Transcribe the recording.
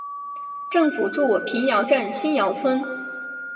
政府驻瓶窑镇新窑村。